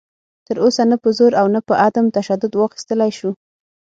تر اوسه نه په زور او نه په عدم تشدد واخیستلی شو